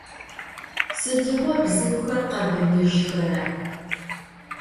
Sıdiğo bzıuxer khebıbıjxera?